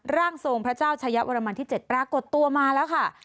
ร่างทรงพระเจ้าชายะวรมันที่๗ปรากฏตัวมาแล้วค่ะ